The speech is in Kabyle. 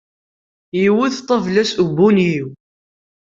Iwet ṭṭabla-s ubunyiw.